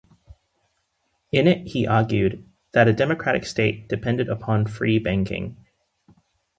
In it, he argued that a democratic state depended upon Free Banking.